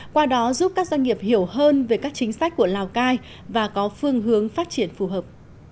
qua đó giúp các doanh nghiệp hiểu hơn về các chính sách của lào cai và có phương hướng phát triển phù hợp